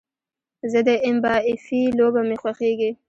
زه د ایم با في لوبه مې خوښیږي